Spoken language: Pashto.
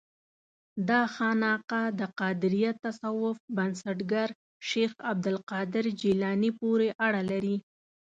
دا خانقاه د قادریه تصوف بنسټګر شیخ عبدالقادر جیلاني پورې اړه لري.